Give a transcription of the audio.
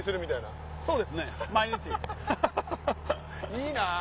いいなぁ